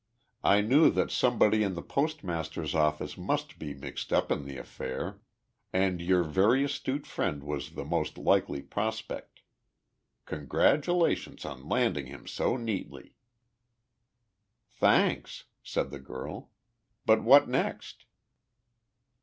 I knew that somebody in the postmaster's office must be mixed up in the affair and your very astute friend was the most likely prospect. Congratulations on landing him so neatly!" "Thanks," said the girl, "but what next?"